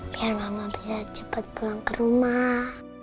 biar mama biar cepat pulang ke rumah